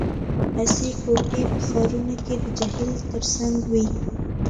عصري کوټي په ښارونو کې د جهیل ترڅنګ وي